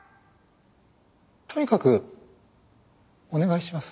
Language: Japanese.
とにかくお願いします。